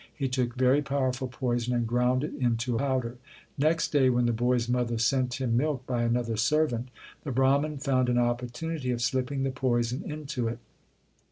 He took very powerful poison and ground it into powder. Next day when the LIFE OF GURU ARJAN 47 boy s mother sent him milk by another servant, the Brahman found an opportunity of slipping the poison into it.